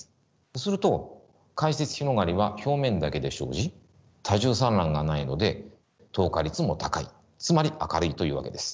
すると回折広がりは表面だけで生じ多重散乱がないので透過率も高いつまり明るいというわけです。